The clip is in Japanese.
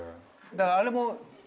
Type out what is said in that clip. だからあれも。